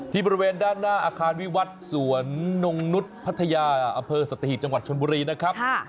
บริเวณด้านหน้าอาคารวิวัตรสวนนงนุษย์พัทยาอำเภอสัตหีบจังหวัดชนบุรีนะครับ